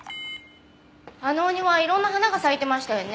あのお庭いろんな花が咲いてましたよね。